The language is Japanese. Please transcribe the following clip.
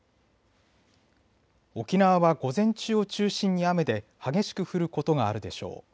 沖縄は午前中を中心に雨で、激しく降ることがあるでしょう。